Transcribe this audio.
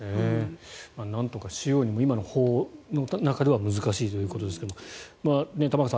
なんとかしようにも今の法の中では難しいということですが玉川さん